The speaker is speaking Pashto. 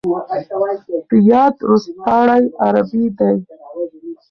د يات روستاړی عربي دی.